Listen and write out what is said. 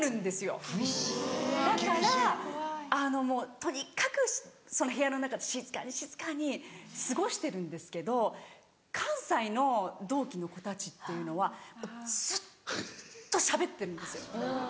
だからあのもうとにかくその部屋の中で静かに静かに過ごしてるんですけど関西の同期の子たちっていうのはずっとしゃべってるんです。